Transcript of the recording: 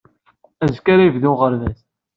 Azekka ara yebdu uɣerbaz.